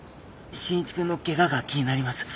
信一君のケガが気になります。